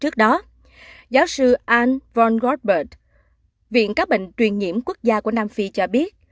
trước đó giáo sư anne von goldberg viện các bệnh truyền nhiễm quốc gia của nam phi cho biết